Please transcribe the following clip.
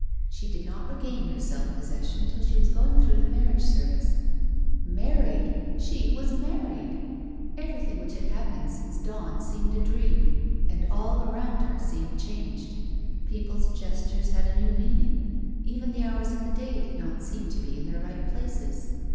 She did not regain her self possession till she was going 52 A WOMAN'S LIFE. through the marriage service. Married ! She was married 1 Everything which had happened since dawn seemed a dream, and all around her seemed changed ; people's gestures had a new meaning; even the hours of the day did not seem to be in their right places.